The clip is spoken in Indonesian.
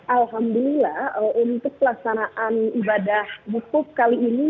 alhamdulillah untuk pelaksanaan ibadah wukuf kali ini